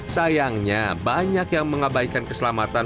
sayangnya banyak yang mengabaikan keselamatan